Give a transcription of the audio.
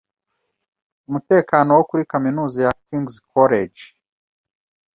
umutekano wo kuri Kaminuza ya King's College